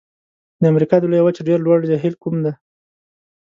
د امریکا د لویې وچې ډېر لوړ جهیل کوم دی؟